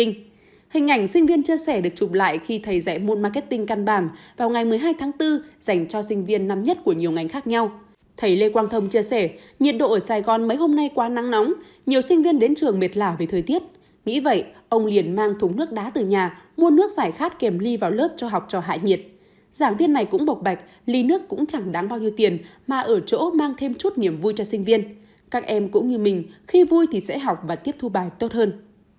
hình ảnh sinh viên chia sẻ được chụp lại khi thầy dạy môn marketing căn bàng vào ngày một mươi hai tháng bốn dành cho sinh viên năm nhất của nhiều ngành khác nhau thầy lê quang thông chia sẻ nhiệt độ ở sài gòn mấy hôm nay quá nắng nóng nhiều sinh viên đến trường mệt lả về thời tiết nghĩ vậy ông liền mang thúng nước đá từ nhà mua nước giải khát kèm ly vào lớp cho học trò hại nhiệt giảng viên này cũng bộc bạch ly nước cũng chẳng đáng bao nhiêu tiền mà ở chỗ mang thêm chút niềm vui cho sinh viên các em cũng như mình khi vui thì sẽ học và tiếp thu bài tốt hơn